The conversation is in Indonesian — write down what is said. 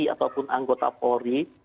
ataupun anggota polri